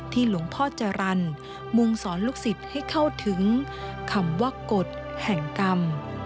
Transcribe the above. หลวงพ่อจรรย์มุ่งสอนลูกศิษย์ให้เข้าถึงคำว่ากฎแห่งกรรม